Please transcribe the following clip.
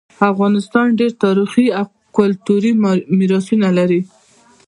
افغانستان ډیر تاریخي او کلتوری میراثونه لري